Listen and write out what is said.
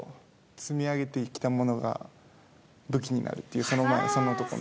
「積み上げてきたものが武器になる」っていうそのとこが。